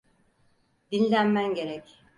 Dinlenmen gerek.